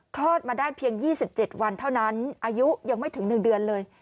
คลอดมาได้เพียงยี่สิบเจ็ดวันเท่านั้นอายุยังไม่ถึงหนึ่งเดือนเลย